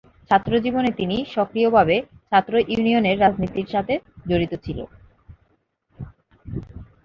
ছাত্রজীবনে তিনি সক্রিয়ভাবে ছাত্র ইউনিয়নের রাজনীতির সাথে জড়িত ছিল।